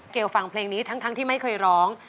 ฟังเพลงนี้ทั้งที่ไม่เคยร้อง